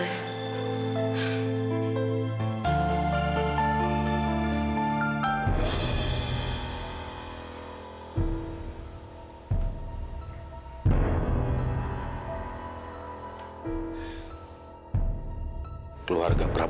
tadi bisa hubungan mereka